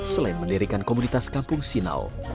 selain mendirikan komunitas kampung sinaw